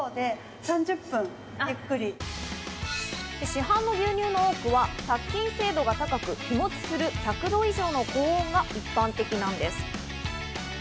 市販の牛乳の多くは殺菌精度が高く、日持ちする１００度以上の高温が一般的なんです。